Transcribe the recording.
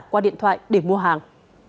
qua điện thoại để mua hàng